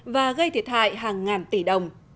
và gây thiệt hại hàng ngàn tỷ đồng